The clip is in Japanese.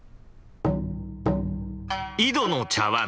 「井戸の茶碗」